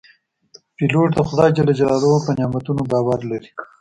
پیلوټ د خدای په نعمتونو باور لري.